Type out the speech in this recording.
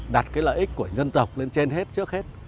đặt cái lợi ích của dân tộc lên trên hết trước hết